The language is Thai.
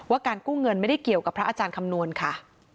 การกู้เงินไม่ได้เกี่ยวกับพระอาจารย์คำนวณค่ะ